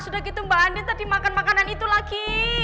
sudah gitu mbak andi tadi makan makanan itu lagi